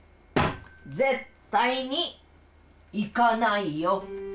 絶対に行かないよ！